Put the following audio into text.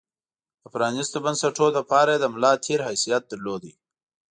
د پرانېستو بنسټونو لپاره یې د ملا تیر حیثیت درلود.